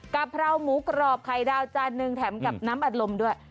กะเพราหมูกรอบไข่ดาวจานหนึ่งแถมกับน้ำอัดลมด้วย